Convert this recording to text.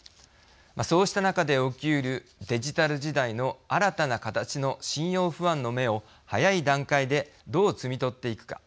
そうした中で起きうるデジタル時代の新たな形の信用不安の芽を早い段階でどう摘み取っていくか。